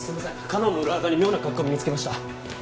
かのんの裏アカに妙な書き込み見つけました。